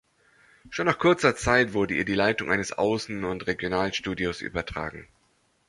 Schon nach kurzer Zeit wurde ihr die Leitung eines Außen- und Regionalstudios übertragen.